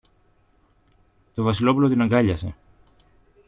Το Βασιλόπουλο την αγκάλιασε.